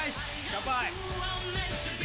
乾杯！